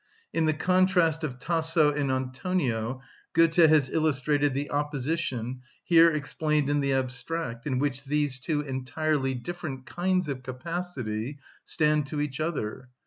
In the contrast of Tasso and Antonio, Goethe has illustrated the opposition, here explained in the abstract, in which these two entirely different kinds of capacity stand to each other.